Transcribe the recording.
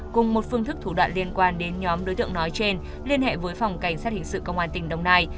cùng một phương thức thủ đoạn liên quan đến nhóm đối tượng nói trên liên hệ với phòng cảnh sát hình sự công an tỉnh đồng nai